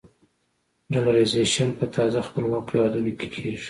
ډالرایزیشن په تازه خپلواکو هېوادونو کې کېږي.